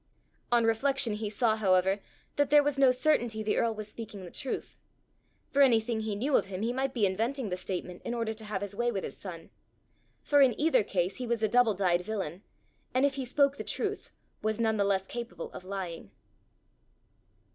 On reflection he saw, however, that there was no certainty the earl was speaking the truth; for anything he knew of him, he might be inventing the statement in order to have his way with his son! For in either case he was a double dyed villian; and if he spoke the truth was none the less capable of lying.